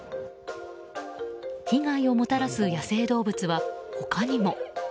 被害をもたらす野生動物は他にも。